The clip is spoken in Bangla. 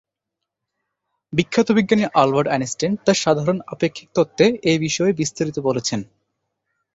বিখ্যাত বিজ্ঞানী আলবার্ট আইনস্টাইন তার সাধারণ আপেক্ষিক তত্ত্বে এ বিষয়ে বিস্তারিত বলেছেন।